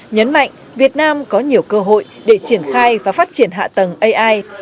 nhấn mạnh việt nam có nhiều cơ hội để triển khai và phát triển hạ tầng ai